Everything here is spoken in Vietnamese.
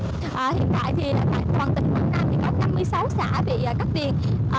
còn tỉnh quảng nam có năm mươi sáu xã bị cắt điện